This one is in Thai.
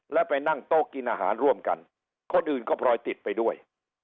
แล้วไปนั่งโต๊ะกินอาหารร่วมกันคนอื่นก็พลอยติดไปด้วย